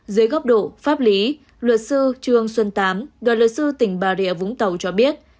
dưới góc độ pháp lý luật sư trương xuân tám đoàn luật sư tỉnh bà rịa vũng tàu cho biết